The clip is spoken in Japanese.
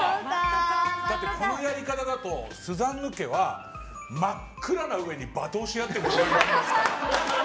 だって、このやり方だとスザンヌ家は真っ暗なうえに罵倒し合ってるんですよ。